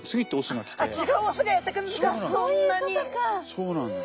そうなんです。